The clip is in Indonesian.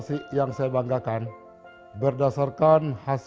selamat menjalankan amal anak baru